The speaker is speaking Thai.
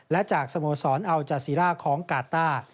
และจากสโมสรอัลจาซีร่าของกาต้า